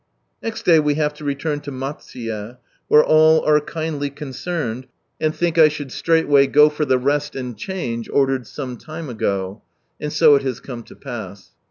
■ Next day we have to return to Malsuye, where all are kindly concerned, and think I should straightway go for the rest and change ordered some lime ago. And so it has come lo pass.